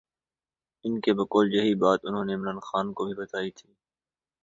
ان کے بقول یہی بات انہوں نے عمران خان کو بھی بتائی تھی۔